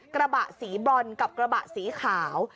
กระบะสีบรอนกับกระบะสีขาว